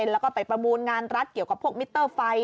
แล้วก็ไปประมูลงานรัฐเกี่ยวกับพวกมิเตอร์ไฟ